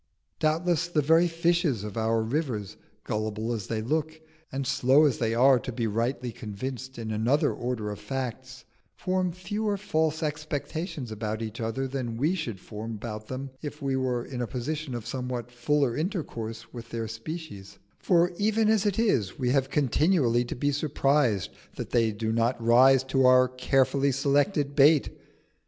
Doubtless the very fishes of our rivers, gullible as they look, and slow as they are to be rightly convinced in another order of facts, form fewer false expectations about each other than we should form about them if we were in a position of somewhat fuller intercourse with their species; for even as it is we have continually to be surprised that they do not rise to our carefully selected bait.